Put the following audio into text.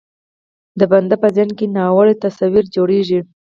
د بنده په ذهن کې ناوړه تصویر جوړېږي.